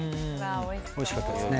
おいしかったですね。